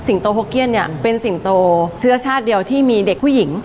โตโฮเกียนเนี่ยเป็นสิงโตเชื้อชาติเดียวที่มีเด็กผู้หญิง